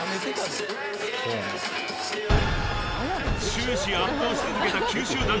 ［終始圧倒し続けた九州男児］